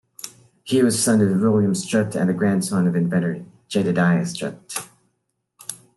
He was son of William Strutt and the grandson of the inventor Jedediah Strutt.